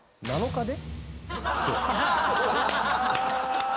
「７日で？